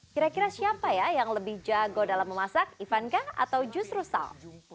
kira kira siapa yang lebih jago dalam memasak ivanka atau jus rusal